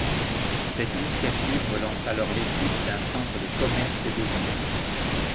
Cette initiative relance alors l’étude d’un centre de commerce et de vie.